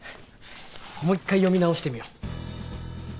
もう一回読み直してみよう。